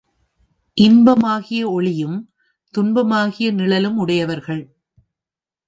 இன்பமாகிய ஒளியும், துன்பமாகிய நிழலும் உடையவர்கள்.